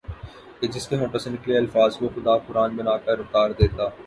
کہ جس کے ہونٹوں سے نکلے الفاظ کو خدا قرآن بنا کر اتار دیتا